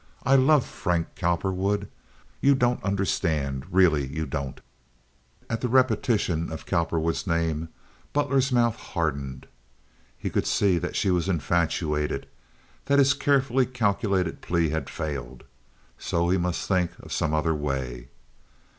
I love Frank Cowperwood. You don't understand—really you don't!" At the repetition of Cowperwood's name Butler's mouth hardened. He could see that she was infatuated—that his carefully calculated plea had failed. So he must think of some other way.